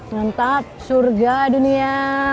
mantap surga dunia